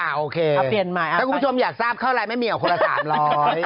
โอเคถ้าคุณผู้ชมอยากทราบเข้าไลน์แม่เมียแหละคนละ๓๐๐